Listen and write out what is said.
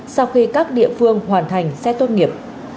sau khi các địa phương hoàn thành xét tốt nghiệp